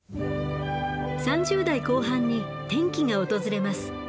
３０代後半に転機が訪れます。